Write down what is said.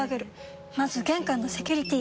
まず玄関のセキュリティ！